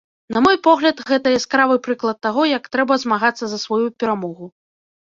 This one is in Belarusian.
На мой погляд, гэта яскравы прыклад таго, як трэба змагацца за сваю перамогу.